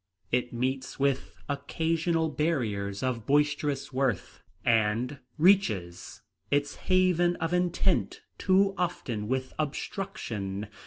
It meets with occasional barriers of boisterous worth, and reaches its haven of intent too often with obstruction.